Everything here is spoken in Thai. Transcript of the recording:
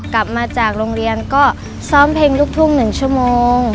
กลับมาจากโรงเรียนก็ซ้อมเพลงลูกทุ่ง๑ชั่วโมง